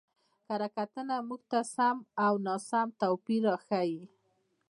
کره کتنه موږ ته د سم او ناسم توپير راښيي.